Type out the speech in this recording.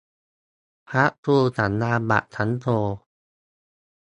พระครูสัญญาบัตรชั้นโท